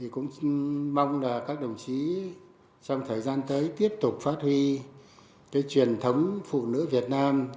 cũng mong là các đồng chí trong thời gian tới tiếp tục phát huy truyền thống phụ nữ việt nam